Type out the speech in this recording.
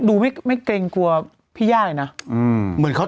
ดูไม่เกรงกว่าพี่ย่าเลยนะ